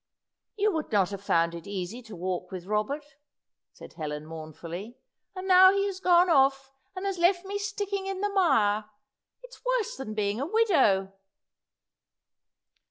"You would not have found it easy to walk with Robert," said Helen, mournfully. "And now he has gone off, and has left me sticking in the mire! It's worse than being a widow."